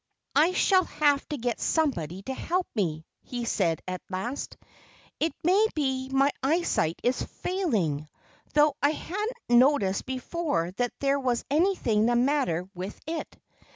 "I shall have get somebody to help me," he said at last. "It may be that my eyesight is failing though I haven't noticed before that there was anything the matter with it....